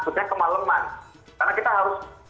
bisa berbuka karena kita harus